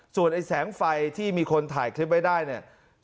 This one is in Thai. ส่วนไอ้แสงไฟที่มีคนถ่ายคลิปไว้ได้เนี่ย